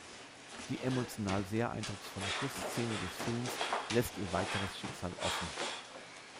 Die emotional sehr eindrucksvolle Schlussszene des Films lässt ihr weiteres Schicksal offen.